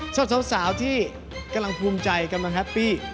ส่วนสาวที่กำลังภูมิใจกำลังแฮปปี้